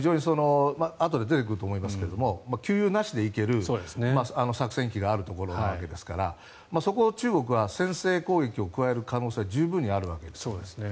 あとで出てくると思いますけど給油なしで行ける作戦機があるところですからそこを中国は先制攻撃を加える可能性は十分あるわけですね。